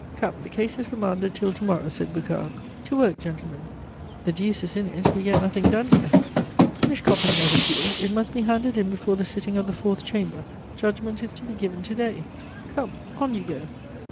"Come, the case is remanded till to morrow," said Boucard. "To work, gentlemen. The deuce is in it; we get nothing done here. Finish copying that appeal; it must be handed in before the sitting of the Fourth Chamber, judgment is to be given to day. Come, on you go!"